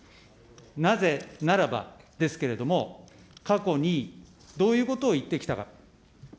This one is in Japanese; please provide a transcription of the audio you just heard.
なぜならばですけれども、過去にどういうことを言ってきたか。